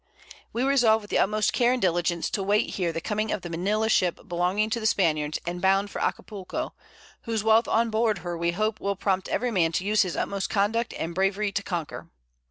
_ We resolve with the utmost Care and Diligence to wait here the coming of the Manila Ship belonging to the Spaniards, and bound for Acapulco; _whose Wealth on board her we hope will prompt every Man to use his utmost Conduct and Bravery to conquer.